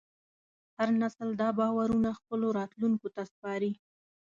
هر نسل دا باورونه خپلو راتلونکو ته سپاري.